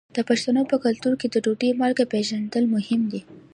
د پښتنو په کلتور کې د ډوډۍ مالګه پیژندل مهم دي.